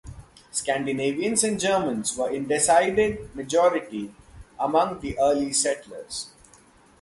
Scandinavians and Germans were in decided majority among the early settlers.